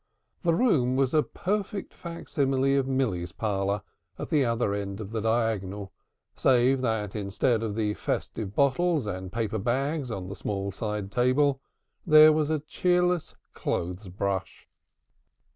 The room was a perfect fac simile of Milly's parlor at the other end of the diagonal, save that instead of the festive bottles and paper bags on the small side table, there was a cheerless clothes brush.